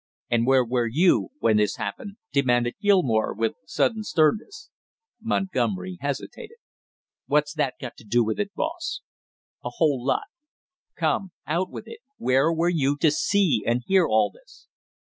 '" "And where were you when this happened?" demanded Gilmore with sudden sternness. Montgomery hesitated. "What's that got to do with it, boss?" "A whole lot; come, out with it. Where were you to see and hear all this?"